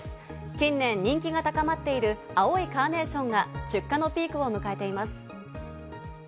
近年人気が高まっている青いカーネーションが出荷のピークを迎えています。